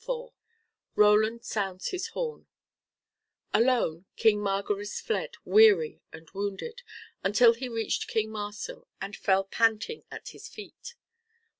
IV ROLAND SOUNDS HIS HORN Alone, King Margaris fled, weary and wounded, until he reached King Marsil, and fell panting at his feet.